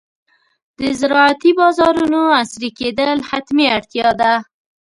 د زراعتي بازارونو عصري کېدل حتمي اړتیا ده.